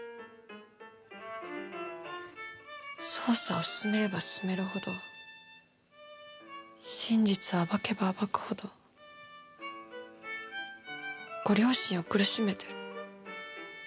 捜査を進めれば進めるほど真実を暴けば暴くほどご両親を苦しめてる。